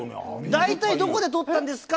大体どこで取ったんですか？